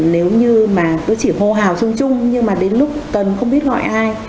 nếu như mà nó chỉ hô hào chung chung nhưng mà đến lúc cần không biết gọi ai